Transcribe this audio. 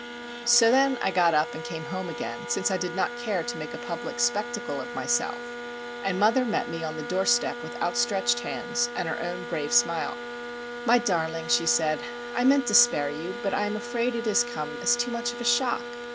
So then I got up and came home again, since I did not care to make a public spectacle of myself;—and mother met me on the doorstep with outstretched hands, and her own brave smile. "My darling," she said, "I meant to spare you; but I am afraid it has come as too much of a shock.